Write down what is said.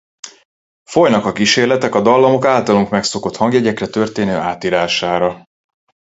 Folynak a kísérletek a dallamok általunk megszokott hangjegyekre történő átírására.